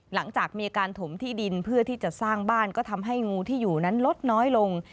หลังจากมีอาการถมที่ดินเพื่อที่จะสร้างบ้านก็ทำให้งูที่อยู่นั้นลดน้อยลง